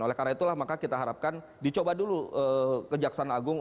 oleh karena itulah maka kita harapkan dicoba dulu kejaksaan agung